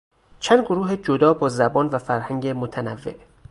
چند گروه جدا با زبان و فرهنگ متنوع